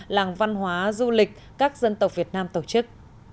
làng văn hóa du lịch các dân tộc việt nam tổ chức